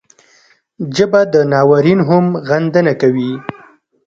ژبه د ناورین هم غندنه کوي